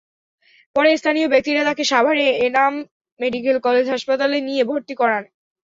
পরে স্থানীয় ব্যক্তিরা তাঁকে সাভারের এনাম মেডিকেল কলেজ হাসপাতালে নিয়ে ভর্তি করান।